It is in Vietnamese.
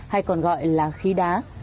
hay còn gọi là khí đá